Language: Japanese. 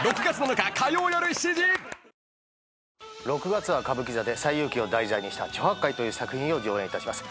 ６月は歌舞伎座で『西遊記』を題材にした『猪八戒』という作品を上演いたします。